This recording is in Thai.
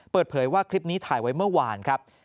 เปิดเผยว่าคลิปนี้ถ่ายไว้เมื่อวานครับ